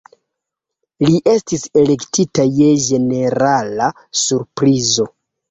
Li estis elektita je ĝenerala surprizo.